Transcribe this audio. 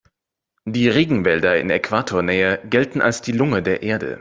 Die Regenwälder in Äquatornähe gelten als die Lunge der Erde.